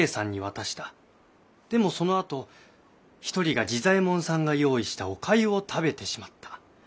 でもそのあと一人が治左衛門さんが用意したお粥を食べてしまった。